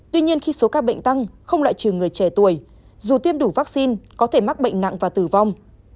tuy nhiên khi số ca bệnh tăng không loại trừ người trẻ tuổi dù tiêm đủ vaccine có thể mắc bệnh nặng và tử vong